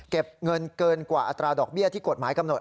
เงินเกินกว่าอัตราดอกเบี้ยที่กฎหมายกำหนด